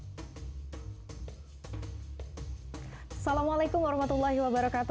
assalamualaikum warahmatullahi wabarakatuh